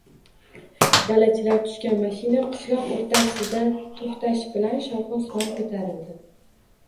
Dalachilar tushgan mashina qishloq oʼrtasida toʼxtashi bilan shovqin-suron koʼtarildi.